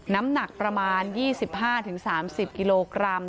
น้ำหนักประมาณ๒๕๓๐กิโลกรัม